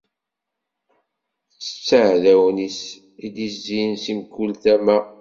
Ttett iɛdawen-is i s-d-izzin si mkul tama.